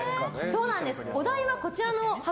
お題は、こちらの箱。